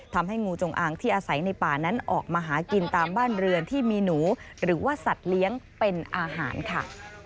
ทำให้งูจงอางที่อาศัยในป่านั้นออกมาหากินตามบ้านเรือนที่มีหนูหรือว่าสัตว์เลี้ยงเป็นอาหารค่ะ